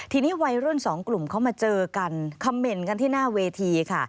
ทีนี้วัยรุ่นสองกลุ่มเขามาเจอกันคำเมนต์กันที่หน้าเวทีค่ะ